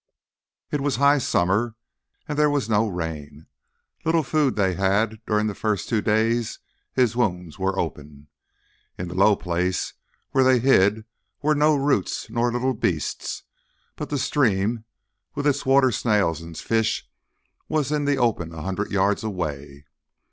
It was high summer, and there was no rain. Little food they had during the first two days his wounds were open. In the low place where they hid were no roots nor little beasts, and the stream, with its water snails and fish, was in the open a hundred yards away.